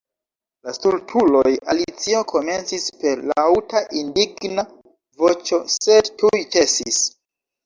"La stultuloj!" Alicio komencis per laŭta indigna voĉo, sed tuj ĉesis.